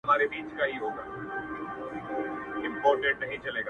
له باڼو تر ګرېوانه د اوښكو كور دئ٫